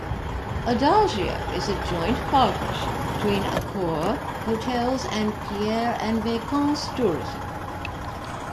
Adagio is a joint partnership between Accor hotels and Pierre and Vacances tourism.